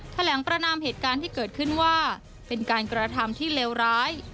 ประนามเหตุการณ์ที่เกิดขึ้นว่าเป็นการกระทำที่เลวร้าย